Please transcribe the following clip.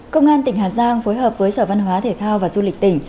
công an tỉnh hà giang phối hợp với sở văn hóa thể thao và du lịch tỉnh